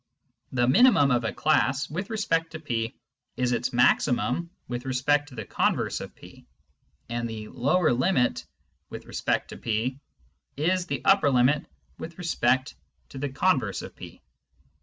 The " minimum " of a class with respect to P is its maximum with respect to the converse of P ; and the " lower limit " with respect to P is the upper limit with respect to the converse of P.